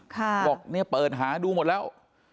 ว่ามันเปิดหาดูหมดแล้ว